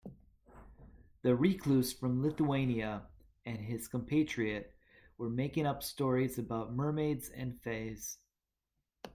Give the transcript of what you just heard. The recluse from Lithuania and his compatriot were making up stories about mermaids and fays.